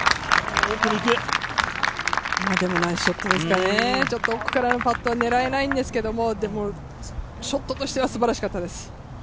ナイスショットですかね、奥からのパットは狙えないんですけどショットとしては、すばらしかったです。